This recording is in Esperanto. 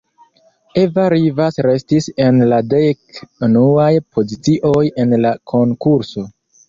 Eva Rivas restis en la dek unuaj pozicioj en la konkurso.